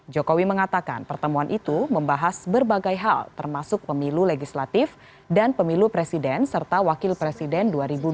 jokowi mengatakan pertemuan itu membahas berbagai hal termasuk pemilu legislatif dan pemilu presiden serta wakil presiden dua ribu dua puluh